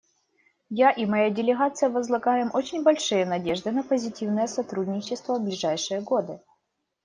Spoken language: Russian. Я и моя делегация возлагаем очень большие надежды на позитивное сотрудничество в ближайшие годы.